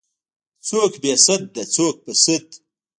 څوک بې سده څوک په سد.